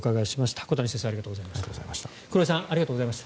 小谷先生、黒井さんありがとうございました。